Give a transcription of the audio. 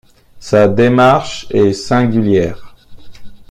Sa démarche est singulière!